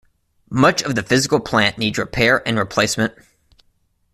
Much of the physical plant needs repair and replacement.